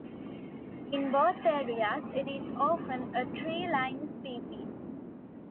In both areas, it is often a tree line species.